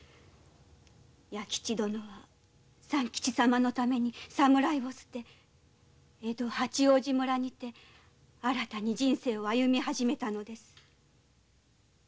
弥吉殿は三吉様のために侍を捨て江戸八王子村にて新たに人生を歩み始めたのです。